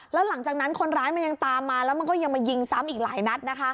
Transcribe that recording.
แล้วหลังจากนั้นคนร้ายมันยังตามมาแล้วมันก็ยังมายิงซ้ำอีกหลายนัดนะคะ